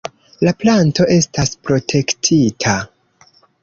La planto estas protektita.